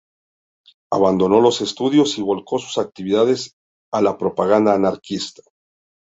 Abandonó los estudios y volcó sus actividades a la propaganda anarquista.